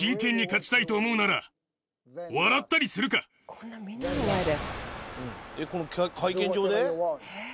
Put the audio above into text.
こんなみんなの前で。